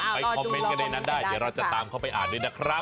คอมเมนต์กันในนั้นได้เดี๋ยวเราจะตามเข้าไปอ่านด้วยนะครับ